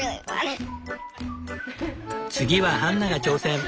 次はハンナが挑戦。